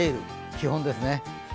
基本ですね、